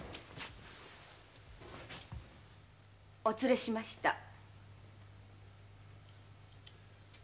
お連れしました。